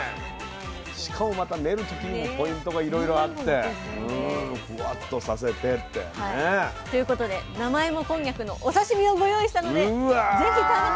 しかもまた練る時にもポイントがいろいろあってふわっとさせてって。ということで生芋こんにゃくのお刺身をご用意したので是非食べてみて下さい。